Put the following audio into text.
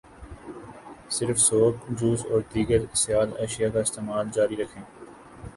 صرف soup, juice, اور دیگر سیال اشیاء کا استعمال جاری رکھیں